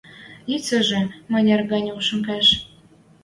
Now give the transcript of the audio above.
лицӓжӹ мӹнер гань ошем кеш.